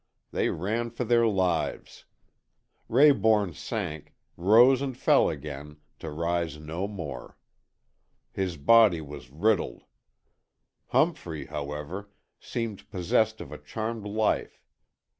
They ran for their lives. Rayborn sank, rose and fell again, to rise no more. His body was riddled. Humphrey, however, seemed possessed of a charmed life.